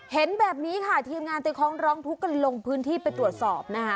เห็นแบบนี้ค่ะทีมงานไปคล้องร้องทุกข์กันลงพื้นที่ไปตรวจสอบนะคะ